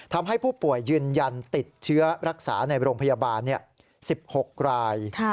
ทำให้ผู้ป่วยยืนยันติดเชื้อรักษาในโรงพยาบาล๑๖ราย